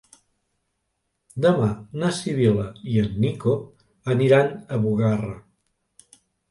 Demà na Sibil·la i en Nico aniran a Bugarra.